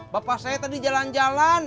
bapak saya tadi jalan jalan